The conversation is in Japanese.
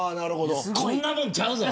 こんなもんちゃうぞ。